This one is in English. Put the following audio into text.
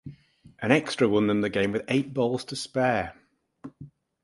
An extra won them the game with eight balls to spare.